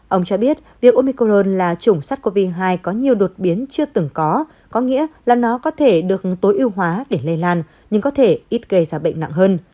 ông cho biết việc omicron là chủng sars cov hai có nhiều đột biến chưa từng có có nghĩa là nó có thể được tối ưu hóa để lây lan nhưng có thể ít gây ra bệnh nặng hơn